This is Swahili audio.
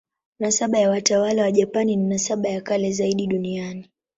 Nasaba ya watawala wa Japani ni nasaba ya kale zaidi duniani.